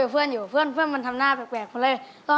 เพื่อนมันทำหน้าแปลกมาเลย